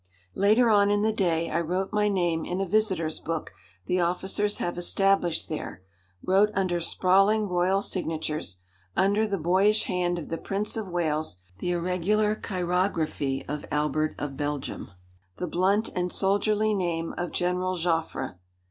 Later on in the day I wrote my name in a visitors' book the officers have established there, wrote under sprawling royal signatures, under the boyish hand of the Prince of Wales, the irregular chirography of Albert of Belgium, the blunt and soldierly name of General Joffre.